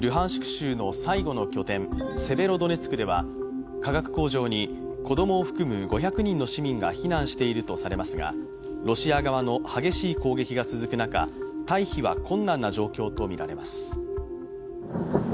州の最後の拠点セベロドネツクでは化学工場に子供を含む５００人の市民が避難しているとされていますがロシア側の激しい攻撃が続く中退避は困難な状況とみられます。